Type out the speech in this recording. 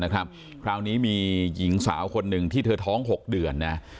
คราวนี้มีหญิงสาวคนหนึ่งที่เธอท้อง๖เดือนนะ